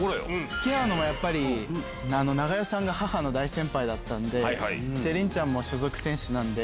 つきあうのもやっぱり、長与さんが母の大先輩だったんで、凛ちゃんも所属選手なんで、